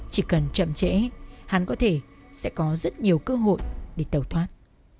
chỉ cần chậm trễ hắn có thể sẽ có rất nhiều cơ hội để tàu thoát